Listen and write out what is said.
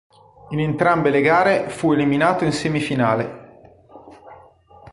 In entrambe le gare fu eliminato in semifinale.